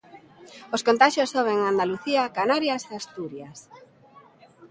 Os contaxios soben en Andalucía, Canarias e Asturias.